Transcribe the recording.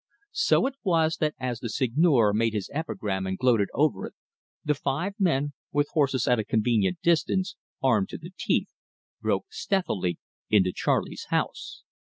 So it was that as the Seigneur made his epigram and gloated over it, the five men, with horses at a convenient distance, armed to the teeth, broke stealthily into Charley's house.